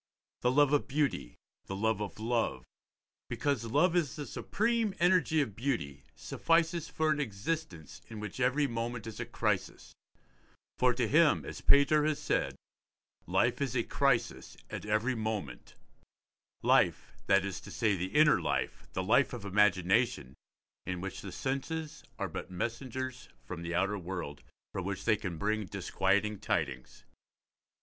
The love of beauty, the love of love, because love is the supreme energy of beauty, suffices for an existence in which every moment is a crisis; for to him, as Pater has said, 'life is a crisis at every moment': life, that is to say, the inner life, the life of imagination, in which the senses are messengers from the outer world, from which they can but bring disquieting tidings.